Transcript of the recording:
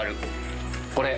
これ。